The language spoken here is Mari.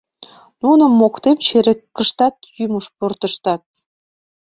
Нуным моктем черкыштат, йӱмӧ пӧртыштат!